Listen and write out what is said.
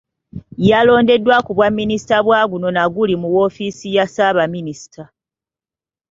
Yalondeddwa ku bwa Minisita bwa guno na guli mu woofiisi ya Ssaabaminisita.